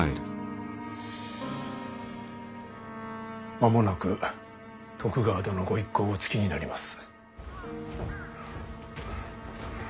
間もなく徳川殿御一行お着きになります。